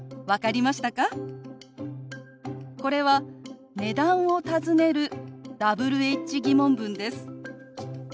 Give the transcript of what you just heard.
これは値段を尋ねるＷｈ−疑問文です。